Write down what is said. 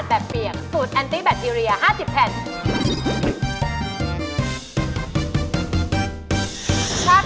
สายชำรักค่ะ๑๕๙บาท